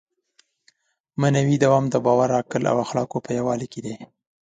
معنوي دوام د باور، عقل او اخلاقو په یووالي کې دی.